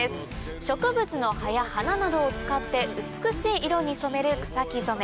植物の葉や花などを使って美しい色に染める草木染め。